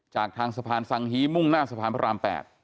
จากทางสะพานสังฮีมุ่งหน้าสะพานพระราม๘